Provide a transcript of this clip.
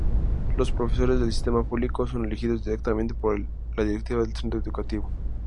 Los profesores del sistema público son elegidos directamente por la directiva del centro educativo.